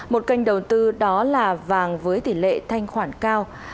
một kênh đầu tư đó là vàng với tỷ lệ thanh khoản cao